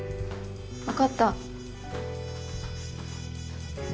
わかった。